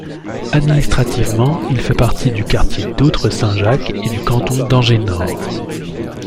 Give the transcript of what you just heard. Administrativement, il fait partie du quartier Doutre - St Jacques et du canton d'Angers-Nord.